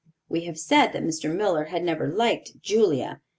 We have said that Mr. Miller had never liked Julia.